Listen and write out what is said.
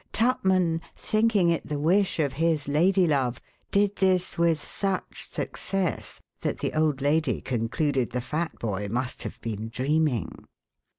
Tupman, thinking it the wish of his lady love, did this with such success that the old lady concluded the fat boy must have been dreaming.